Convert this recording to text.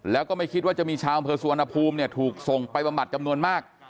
แล้วก็ไม่คิดว่าจะมีชาวอำเภอสุวรรณภูมิถูกส่งไปบำบัดจำนวนมาก